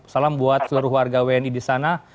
salam buat seluruh warga wni di sana